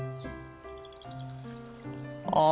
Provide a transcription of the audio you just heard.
あ。